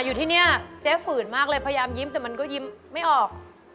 อยู่ที่นี่เจ๊ฝืนมากเลยพยายามยิ้มแต่มันก็ยิ้มไม่ออก